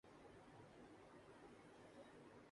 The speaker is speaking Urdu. سمجھنے کی ضرورت ہے کہ ملکی سطح پہ کیا ہو رہا ہے۔